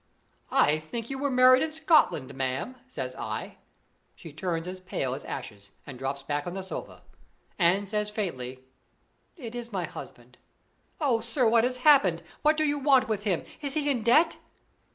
'I think you were married in Scotland, ma'am,' says I. She turns as pale as ashes, and drops back on the sofa, and says, faintly: 'It is my husband. Oh, sir, what has happened? What do you want with him? Is he in debt?